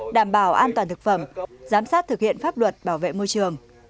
đảm bảo an toàn thực phẩm giám sát thực hiện pháp luật bảo vệ môi trường